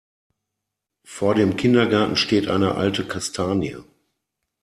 Vor dem Kindergarten steht eine alte Kastanie.